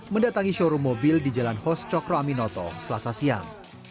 mendatangi showroom mobil di jalan hos cokroaminoto selasa siam